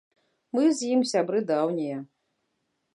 Мы з ім сябры даўнія.